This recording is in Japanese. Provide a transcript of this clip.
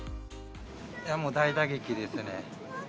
もう大打撃ですね。